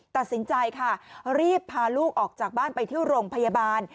ตัดสินใจค่ะรีบพาลูกออกจากบ้านไปที่โรงพยาบาล